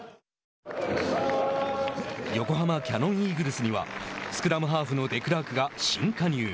横浜キヤノンイーグルスにはスクラムハーフのデクラークが新加入。